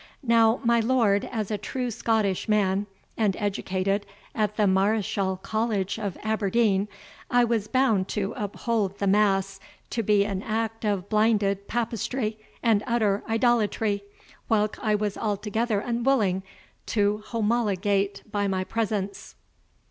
Now, my lord, as a true Scottish man, and educated at the Mareschal College of Aberdeen, I was bound to uphold the mass to be an act of blinded papistry and utter idolatry, whilk I was altogether unwilling to homologate by my presence.